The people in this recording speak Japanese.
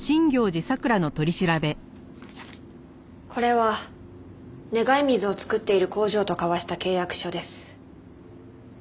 これは願い水を作っている工場と交わした契約書です。